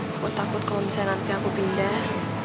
aku takut kalo nanti nanti aku pindah